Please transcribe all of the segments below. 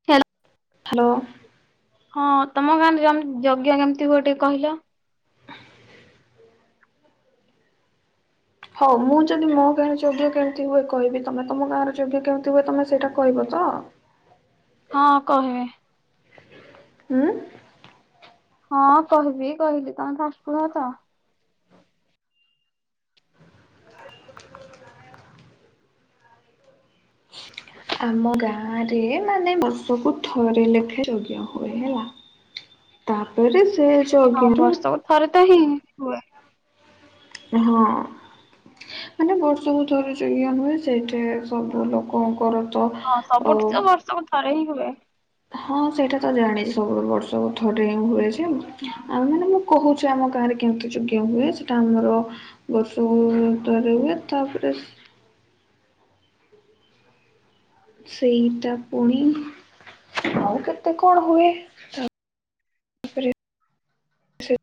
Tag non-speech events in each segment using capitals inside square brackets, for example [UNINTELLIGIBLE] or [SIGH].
[UNINTELLIGIBLE] Hello. ହଁ ତମ ଗାଁରେ ଯେ ଯଜ୍ଞ୍ୟ କେମିତି ହୁଅ ଟିକେ କହିଲ? ହଉ ମୁଁ ଯଦି ମୋ ଗାଁରେ ଯୋଗ୍ୟ କେମିତି ହୁଏ କହିବି ତମେ ତମ ଗାଁରେ ଯୋଗ୍ୟ କେମିତି ହୁଏ ତମେ ସେଇଟା କହିବତ? ହଁ କହିମି। ହୁଁ। ହଁ କହିବି କହିଲି ତମେ ଫାଷ୍ଟ କୁହତ। ଆମ ଗାଁରେ ମାନେ ବର୍ଷକୁ ଥରେ ଲେଖା ଯଗ୍ୟ ହୁଏ ହେଲା। ତାପରେ ସେ ହଁ ଯଜ୍ଞରେ ବର୍ଷକୁ ଥରେତହିଁ ହୁଏ। ହଁ। ମାନେ ବର୍ଷକୁ ଥରେ ଯଇଏ ହୁଏ ସେଇଠେ ସବୁ ଲୋକଙ୍କର ତ ହଁ ଓ ସବୁଠିତ ବର୍ଷକୁ ଥରେହିଁ ହୁଏ। ହଁ ସେଇଟାତ ଜାଣିଚି ସବୁଠୁ ବର୍ଷ ଥରେହିଁ ହୁଏଯେ ହୁଁ। ଆ ମାନେ କହୁଚି ଆମ ଗାଁରେ କେମିତି ଯୋଗ୍ୟ ହୁଏ ସେଟା ଆମର ବର୍ଷକୁ ରେ ହୁଏ ତାପରେ ସେଇଟା ପୁଣି ଆଉ କେତେ କଣ ହୁଏ। ତାପରେ ସେ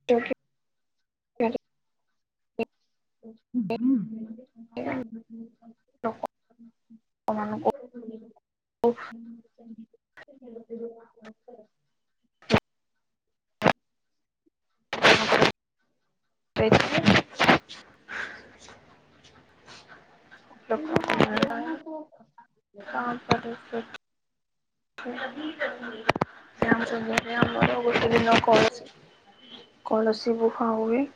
[UNINTELLIGIBLE] ହଁ ହୁଁ। ଲୋକ ଲୋକମାନଙ୍କୁ [UNINTELLIGIBLE] ଲୋକ [UNINTELLIGIBLE] [UNINTELLIGIBLE] ଆମର ଗୋଟେ ଦିନ କଳସୀ କଳସୀ ବୁହା ହୁଏ।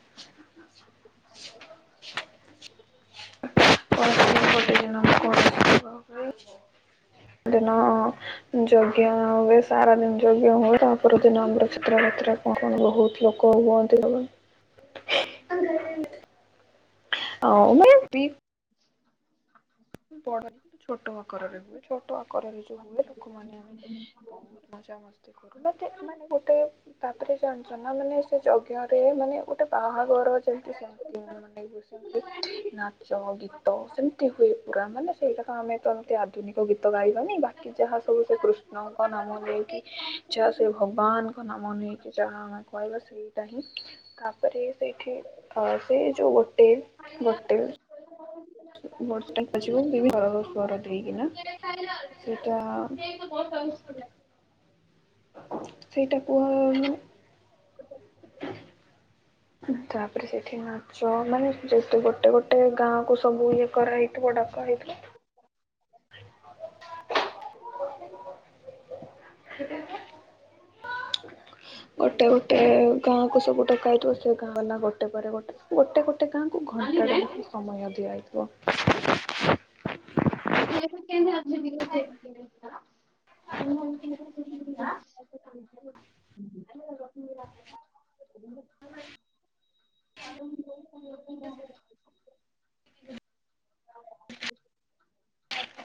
[INAUDIBLE] [UNINTELLIGIBLE] ଦିନ ଯଜ୍ଞ୍ୟ ହୁଏ ସାରାଦିନ ଯଜ୍ଞ୍ୟ ହୁଏ ତାପରଦିନ ଆମର ଛିତ୍ରାବାତ୍ରା କଣ କଣ ବହୁତ୍ ଲୋକ ହୁଅନ୍ତି ଲ [UNINTELLIGIBLE] ବଡ଼ ନୁହଁ ଛୋଟ ଆକାରରେ ହୁଏ ଛୋଟ ଆକାରରେ ଯୋଉ ହୁଏ ଲୋକମାନେ ଆମେ ବହୁତ ମଜା ମସ୍ତି କରୁ ମୋତେ ମାନେ ଗୋଟେ ତାପରେ ଜାଣିଛ ନା ମାନେ ସେ ଯଜ୍ଞରେ ମାନେ ଗୋଟେ ବାହାଘର ଯେମିତି ସେମିତି ହୁଏ। [UNINTELLIGIBLE] ସେମତି ନାଚ ଗୀତ ସେମତି ଗାଁ ମାନେ ସେଇଟା ତ ଆମେ ତ ଏମତି ଆଧୁନିକ ଗୀତ ଗାଇବାନି ବାକି ଯାହା ସବୁ ସେ କୃ ଷ୍ଣଙ୍କ ନାମ ନେଇକି ଯାହା ସେ ଭଗବାନଙ୍କ ନାମ ନେଇକି ଯାହା ଆମେ କହିବା ସେଇଟା ହିଁ ତାପରେ ସେଇଠି ଅ ସେଇ ଯୋଉ ଗୋଟେ ଗୋଟେ [UNINTELLIGIBLE] ଆସିବ [UNINTELLIGIBLE] ଦେଇକିନା ସେଇଟା ପୁଅ ସର୍ଭିସ୍ କଲା ସେଇଟା କୁହାନି ତାପରେ ସେଇଠି ନା ଯଉ ମାନେ ଯେତୁ ଗୋଟେ ଗୋଟେ ଗାଁକୁ ସବୁ ଇଏ କରାହେଇଥିବ ଡ଼କା ହେଇଥିବ। [INAUDIBLE] [INAUDIBLE] ଗୋଟେ ଗୋଟେ ଗାଁକୁ ସବୁ ଡକା ହେଇଥିବ ସେ ଗାଁ ବେଲା ଗୋଟେ ପରେ ଗୋଟେ ଗୋଟେ ଗୋଟେ ଗାଁକୁ ଘଣ୍ଟାଟେ ଲେଖେ ସମୟ ଦିଆହେଇଥିବ। [UNINTELLIGIBLE] [INAUDIBLE] [UNINTELLIGIBLE] [INAUDIBLE]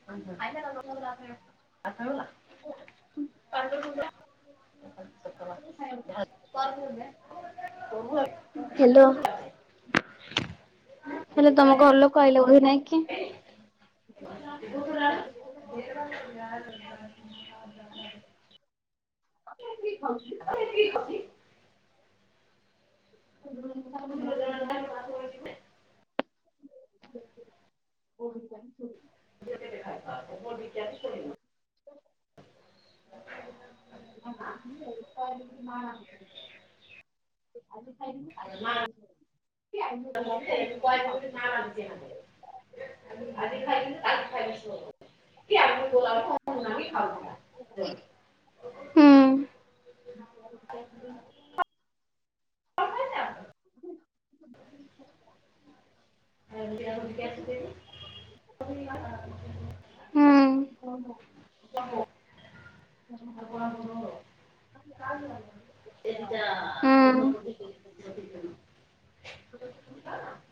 [UNINTELLIGIBLE] [INAUDIBLE] ହ୍ୟାଲୋ। [UNINTELLIGIBLE] ହେଲେ ତମ ଘର ଲୋକ ଆଇଲେ ବୋଲି ନାଇଁ କି? [INAUDIBLE] [INAUDIBLE] [INAUDIBLE] [INAUDIBLE] [INAUDIBLE] [UNINTELLIGIBLE] [INAUDIBLE] [INAUDIBLE] [INAUDIBLE] [INAUDIBLE] ହୁଁ। [INAUDIBLE] [INAUDIBLE] ହୁଁ। [INAUDIBLE] [INAUDIBLE] ହୁଁ। [INAUDIBLE] [INAUDIBLE]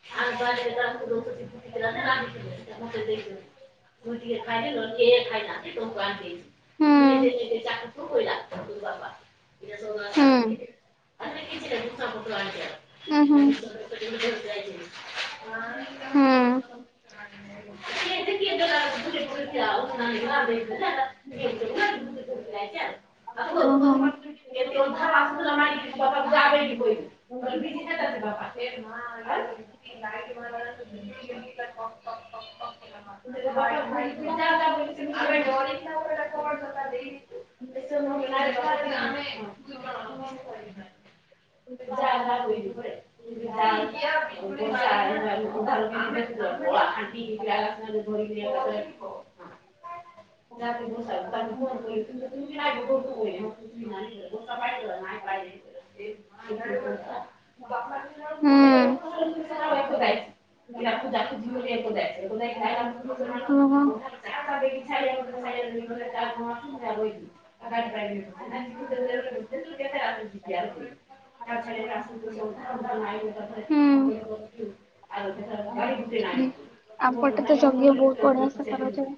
[INAUDIBLE] [INAUDIBLE] ହୁଁ [INAUDIBLE] ଉଁ ହୁଁ। [INAUDIBLE] ହୁଁ। [INAUDIBLE] [INAUDIBLE] [UNINTELLIGIBLE] [UNINTELLIGIBLE] [UNINTELLIGIBLE] [UNINTELLIGIBLE] [UNINTELLIGIBLE] [UNINTELLIGIBLE] [UNINTELLIGIBLE] [UNINTELLIGIBLE] ଓହୋ। ହୁଁ। [UNINTELLIGIBLE] [UNINTELLIGIBLE] [UNINTELLIGIBLE] [UNINTELLIGIBLE] [UNINTELLIGIBLE] [UNINTELLIGIBLE] [UNINTELLIGIBLE] [UNINTELLIGIBLE] [UNINTELLIGIBLE] ଆମ ପଟେତ ଯଜ୍ଞ ବୋହୁତ ବଢିଆ ସେ କରାଯାଏ,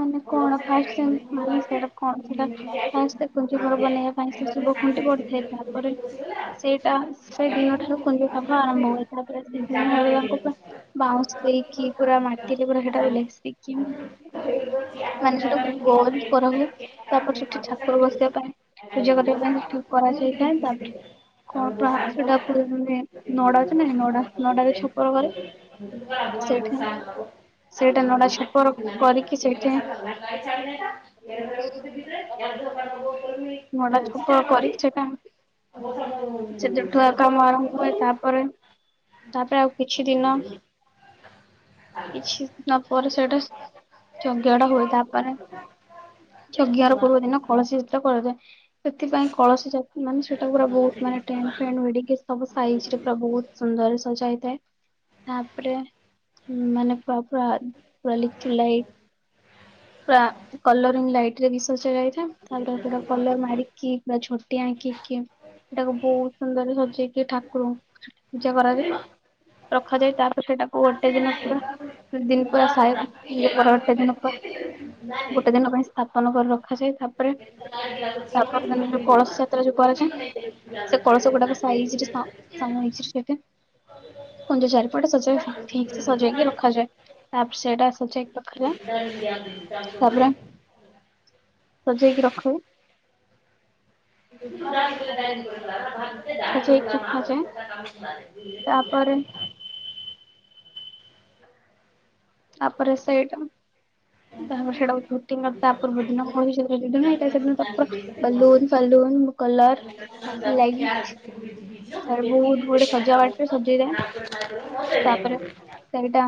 ମାନେ କଣ ଫାଷ୍ଟ ସେମା ସେଟା କଣ ସେଟା ଫାଷ୍ଟ ଦେଖ ଘର ବନେଇବା ପାଇଁ ସେ ଶୁଭ ଖୁଣ୍ଟି ପଡିଥାଏ। ତାପରେ ସେଇଟା ସେଇ ଦିନ ଠାରୁ କୁଞ୍ଜି [UNINTELLIGIBLE] ଆରମ୍ଭ ହୁଏ, ତାପରେ ସେଇ ଦିନ ଠାରୁ ତାଙ୍କୁ ବାଉଁଶ ଦେଇକି ପୁରା ମାଟି ପୁରା [UNINTELLIGIBLE] ମାନେ ସେଟକୁ ଗୋଲ କରା ହୁଏ, ତାପରେ ସେଠି ଠାକୁର ବସିବା ପାଇଁ ପୂଜା କରିବା ପାଇଁ ସେଠି। କରାଯାଇଥାଏ, ତାପରେ କଣ [UNINTELLIGIBLE] ସେଟାକୁ ମାନେ ନଡା [UNINTELLIGIBLE] ନଡା ନଡାରେ ଛପର କରାଯାଏ। ସେଇଠା ସେଇଟା ନଡା ଛପର କରିକି ସେଇଠା ନଡ଼ା ଛପର କରିକି ସେଟା ସେଦନଠୁ ଆଉ କାମ ଆରମ୍ଭ ହୁଏ, ତାପରେ ତାପରେ ଆଉ କିଛି ଦିନ କିଛିି ତାପରେ ସେଇଟା ଯଜ୍ଞ [UNINTELLIGIBLE] ତା ମାନେ ଯଜ୍ଞ ର ପୂର୍ବ ଦିନ କଳସୀ ଯାତ୍ରା କରାଯାଏ। ସେଥିପାଇଁ କଳସୀ ଯାତ୍ରୀମାନେ ସେଇଟା ପୁରା ବହୁତ ମାନେ ଟେଣ୍ଟ ଫେଣ୍ଟ ଭିଡ଼ିକି ସବୁ ସାଇଜରେ ପୁରା ବହୁତ ସୁନ୍ଦରରେ ସଜାହୋଇଥାଏ, ତା ତାପରେ ମାନେ ପୁରା ପୁରା ଲିଚୁ ଲାଇଟ ପୁରା କଲରିଙ୍ଗ ଲାଇଟରେ ବି ସଜାଯାଇଥାଏ, ତାପରେ ପୁରା କଲର ମାରିକି ପୁରା ଝୋଟି ଆଙ୍କିକି ସେଟାକୁ ବହୁତ ସୁନ୍ଦର ସଜେଇକି ଠାକୁର ପୂଜା କରାଯାଏ ରଖାଯାଏ ତାପରେ ସେଟାକୁ ଗୋଟେ ଦିନ ପୁରା ଦି ଦିନ ପୁରା ସାହେ [UNINTELLIGIBLE] ଗୋଟେ ଦିନ ପୁରା ଗୋଟେ ଦିନ ପାଇଁ ସ୍ଥାପନ କରି ରଖାଯାଏ। ତାପରେ ତାପଦିନ ଯୋଉ କଳସ ଯାତ୍ରା ଯୋଉ କରାଯାଏ ସେ କଳସ ଗୁଡାକୁ ସାଇଜିରେ [UNINTELLIGIBLE] ସମ ହେଇ ସେଟା କୁଞ୍ଜ ଚାରିପଟେ ସଜେଇ ଠିକ ସେ ସଜେଇକି ରଖାଯାଏ। ତାପରେ ସେଇଟା ସଜେଇକି ରଖାଯାଏ, ପୁରା ସଜେଇକି ରଖାଯାଏ। ସଜେଇକି ରଖାଯାଏ, ତାପରେ ତାପରେ ସେଇଟା ତାପରେ ସେଟା ଝୋଟି ତା ପୂର୍ବଦିନ ଏଇଟା ସେଦିନ ତା ପୁରା ବେଲୁନ ଫେଲୁନ [UNINTELLIGIBLE] ଏ ସେଦିରେ ତାପରେ ସେଇଟା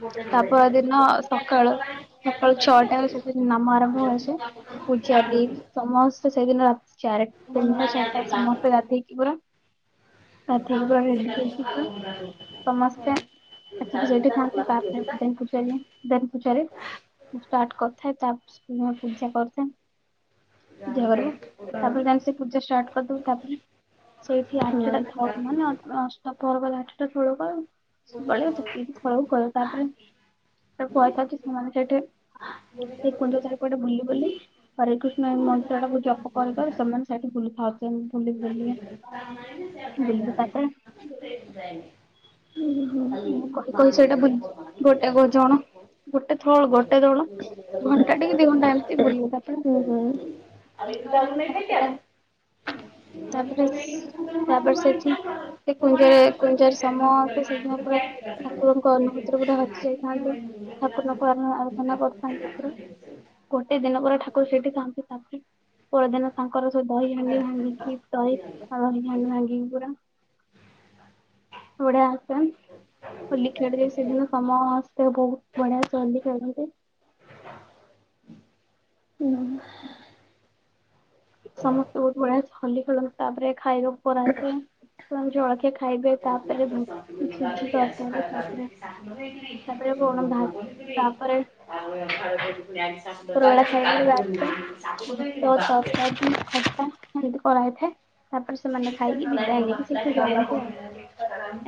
ଗୋଟେ [UNINTELLIGIBLE] ହଁ ସକାଳ ସକାଳୁ ଛଅଟାରୁ ସେ ନାମ ଆରମ୍ଭ ହବଯେ ପୂଜାରୀ ସମସ୍ତେ ସେଇଦିନ ରାତି ଚାରି ତିନିଟା ଚାରିଟା ସମସ୍ତେ ଗାଧେଇକି ପୁରା ଗାଧେଇକି ପୁରା ରେଡି ହେଇକି ପୁରା ସମସ୍ତେ [UNINTELLIGIBLE] ଆସିକି ସେଇଟି ଖାଆନ୍ତି ତାପରେ ଦେନ ପୂଜାରେ ଦେନ ପୂଜାରେ ଆସ ଷ୍ଟାର୍ଟ କରିଥାଏ ତା ସ ପୂଜା କରିଥାଏ। ଜର ତାପରେ ଜାଇ ସେ ପୂଜା ଷ୍ଟାର୍ଟ କରିଦବ ତାପରେ ସେଇଠି ଆଠଟା ଥ ମାନେ ଅ ଅ ସ ପର କଲା ଆଠଟା ସୋଳକ ଆଉ ସବୁବେଳେ [UNINTELLIGIBLE] ତାପରେ ତାକୁ କୁହାଯାଇଥାଏ କି ସେମାନେ ସେଠି ସେଇ କୁଣ୍ଡ ଚାରିପଟେ ବୁଲି ବୁଲି ହରେକୃଷ୍ଣ ଏଇ ମନ୍ତ୍ରଟାକୁ ଜପ କରୁକରୁ ସେମାନେ ସେଇଠି ଭୁଲିଥାଉଚିନ୍ ବୁଲି ବୁଲିବେ। [UNINTELLIGIBLE] ବୁଲିବେ ତାପରେ ସେ ଆଉ ଖାଇଲା ନାଇଁ ମୁଁ କହି କହି ସେଇଥିପାଇଁ। ସେଇଟା ବୁଲି ଓହୋ ଗୋଟେ ଗୋ ଜଣ [UNINTELLIGIBLE] ଗୋଟେ ଥଳ ଗୋଟେ ଦଳ ଘଣ୍ଟାଟେକି ଦି ଘଣ୍ଟା ଏମିତି ବୁଲିବୁ ତାପରେ ବୁଲିପାରୁନି ତାପରେ ତାପରେ ତାପରେ ସେଇଠି ସେ କୁଞ୍ଜରେ କୁଞ୍ଜରେ ସମସ୍ତେ ସେ ଦିନ [UNINTELLIGIBLE] ଠାକୁନଙ୍କୁ ଆରା ଆରାଧନା କରିଥାନ୍ତି ପୁରା। ଗୋଟେ ଦିନ ପୁରା ଠାକୁର ସେଇଠି ଥାନ୍ତି ତାପରେ ପର ଦିନ ତାଙ୍କର ସେ ଦହି ହାଣ୍ଡି ଭାଙ୍ଗିକି ଦହି ଦହି ହାଣ୍ଡି ଭାଙ୍ଗିକି ପୁରା ବଢ଼ିଆ ଆସେନ୍ ହୋଲି ଖେଳିବେ ସେଦିନ ସମସ୍ତେ ବହୁତ ବଢିଆ ସେ ହୋଲି ଖେଳନ୍ତି। ଉଁ ହୁଁ। ସମସ୍ତେ ବହୁତ ବଢିଆ ସେ ହୋଲି ଖେଳନ୍ତି ତାପରେ ଖାଇବାକୁ କରାହେଇଥଏ ସେମାନେ ଜଳଖିଆ ଗେ ଖାଇବେ ତାପରେ ଢଙ୍କ ସୁଜି ତରକାରୀ ତାପରେ ତାପରେ କଣ ଭା ତାପରେ ଉପରବେଳା ଖାଇବାରେ ଭାତ ଭାତ [UNINTELLIGIBLE] ବାପ୍ ତରକାରୀ ରେ। ଖଟା ଏମିତି କରାହେଇଥାଏ। ତାପରେ ସେମାନେ ଖାଇକି ବିଦାୟ ନେଇକି ସେଇଠୁ ହଁ ଯାଆନ୍ତି ଆଉ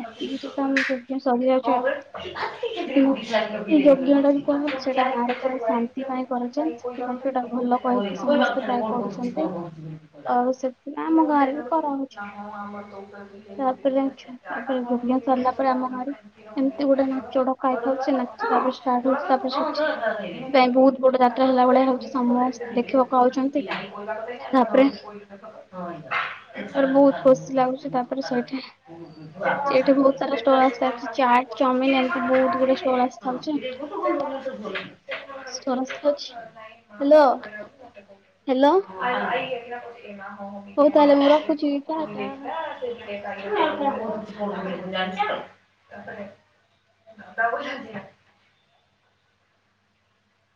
ଏତିକି ରେ ତ ଆମେ ସବୁ ସରିଯାଉଛ ଆଉ ବେଳେ ଆଜି ସେଥିରେ ବଗିଚା ଏଇ ଲଗିଲେ ଯଜ୍ଞଟା ଯଉ କଣ ସେଇଟା ଗାଁ ରେ ପୁରା ଶା ଶାନ୍ତି ପାଇଁ କରାଯାଏ ସେଥିପାଇଁ ସେଇଟା ଭଲ କହିକି ସମସ୍ତେ ବାବୁଠାରେ ଟ୍ରାଏ କଣ କରୁଛି କରୁଛନ୍ତି କଣ କରୁଛି ବୋଲି କଲା ଆଉ ସେ ସେଥିପାଇଁ ଆମ ଗାଁରେ ବି କ ତାପରେ ତାପରେ ଯଜ୍ଞ ସରିଲା ପରେ ଆମ ଗାଁରେ [UNINTELLIGIBLE] ଏମିତି ଗୋଟେ ନାଚ ଡକାଇଥାଉଚି ସେ ନାଚି ତାପରେ ଷ୍ଟାର୍ଟ ହଉଛି ତାପରେ ସେଠି ସେଥିପାଇଁ ବହୁତ ବଡ ଯାତ୍ରା ହେଲା ଭଳିଆ ହଉଛି [UNINTELLIGIBLE] ସମସ୍ତେ ଦେଖିବାକୁ ଆଉଛନ୍ତି ହଁ ତାପରେ ଏଇଟା ତାପରେ ବହୁତ ଖୁସି ଲାଗୁଛି ତାପରେ ସେଇଠି ହୁଁ। ସେଇଠି ବହୁତ ସାରା ଷ୍ଟଲ [UNINTELLIGIBLE] ଆସିଥାଉଛି ଚାଟ୍ ଚାଓମିନ ଏମିତି ବହୁତ ଗୁଡେ ଷ୍ଟଲ୍ ହଁ ଆସିଥାଉଛି। [UNINTELLIGIBLE] ଶ୍ଵରସ୍ତି ଅଛି ହ୍ୟାଲୋ ହ୍ୟାଲୋ। ହଉ ତାହେଲେ ମୁଁ ରଖୁଛି ଟା ଟା। [UNINTELLIGIBLE] ତମେ ଜାଣିଚ? [UNINTELLIGIBLE]